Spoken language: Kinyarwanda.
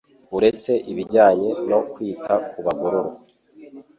Uretse ibijyanye no kwita ku bagororwa